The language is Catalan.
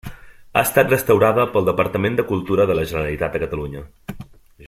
Ha estat restaurada pel Departament de Cultura de la Generalitat de Catalunya.